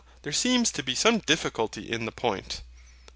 There seems to be some difficulty in the point.